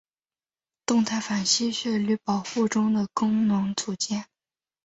动态反吸血驴保护中的功能组件。